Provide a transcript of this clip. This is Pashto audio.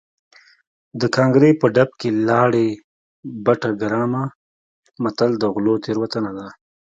د ګانګړې په ډب کې لاړې بټه ګرامه متل د غلو تېروتنه ده